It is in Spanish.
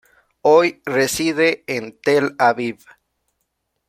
Hoy reside en Tel Aviv.